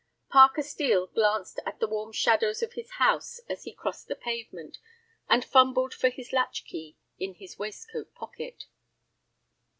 Parker Steel glanced at the warm windows of his house as he crossed the pavement, and fumbled for his latch key in his waistcoat pocket.